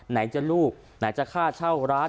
ไหนจะลูกไหนจะค่าเช่าร้าน